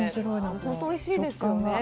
本当においしいですよね。